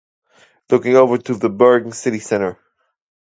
Looking over the Bergen city centre.